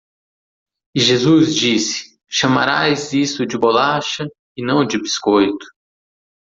E Jesus disse, chamarás isto de bolacha e não de biscoito!